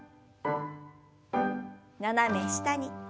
斜め下に。